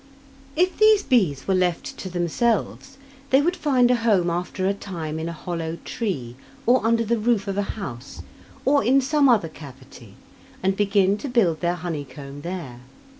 If these bees were left to themselves, they would find a home after a time in a hollow tree, or under the roof of a house, or in some other cavity, and begin to build their honeycomb there.